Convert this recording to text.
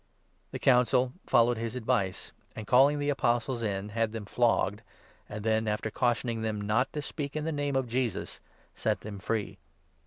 " The Council followed his advice, and, calling the Apostles in, 40 had them flogged, and then, after cautioning them not to speak in the Name of Jesus, set them free.